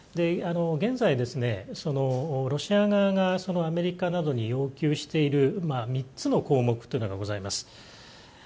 現在、ロシア側がアメリカなどに要求している３つの項目がございます。